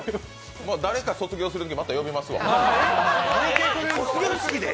誰か卒業するとき、また呼びますわ。